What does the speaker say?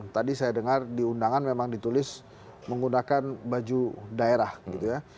tadi saya dengar di undangan memang ditulis menggunakan baju daerah gitu ya